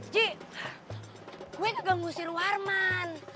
ji gue gak ngu siru arman